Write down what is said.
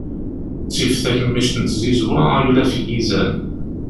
Ttif takemmict n tzizwa aglaf n yizan.